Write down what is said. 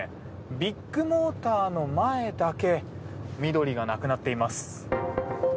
ビッグモーターの前だけ緑がなくなっています。